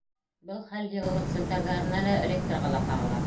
Был хәл йылылыҡ селтәрҙәренә лә, электрға ла ҡағыла.